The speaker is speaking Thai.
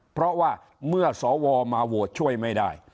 เพราะว่าเมื่อสวมาโหวตช่วยไม่ได้